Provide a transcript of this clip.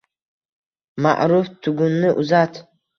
— Maʼruf, tugunni uzat!